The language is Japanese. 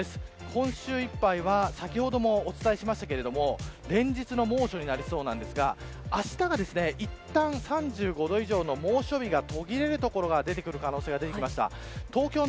今週いっぱいは先ほどもお伝えしましたが連日の猛暑になりそうなんですが明日はいったん３５度以上の猛暑日が途切れるところが出てくる可能性が出てきました。